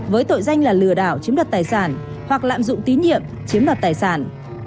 với tội danh là lừa đảo chiếm đoạt tài sản hoặc lạm dụng tín nhiệm chiếm đoạt tài sản